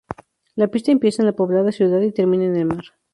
La pista empieza en la poblada ciudad y termina en el mar.